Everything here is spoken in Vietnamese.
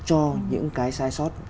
cho những cái sai sót